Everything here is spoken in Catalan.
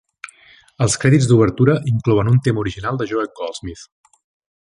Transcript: Els crèdits d'obertura inclouen un tema original de Joel Goldsmith.